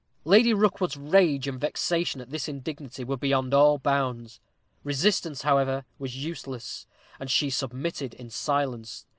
Lady Rookwood's rage and vexation at this indignity were beyond all bounds. Resistance, however, was useless, and she submitted in silence.